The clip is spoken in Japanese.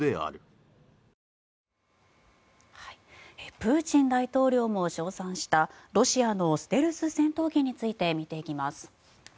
プーチン大統領も称賛したロシアのステルス戦闘機について見ていきます。